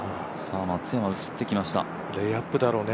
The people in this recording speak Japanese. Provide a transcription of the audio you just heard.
松山、映ってきました。